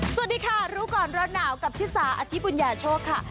สวัสดีค่ะรู้ก่อนร้อนหนาวกับชิสาอธิบุญญาโชคค่ะ